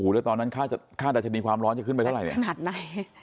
แล้วตอนนั้นคาดจะมีความร้อนจะขึ้นไปเท่าไหร่เนี่ย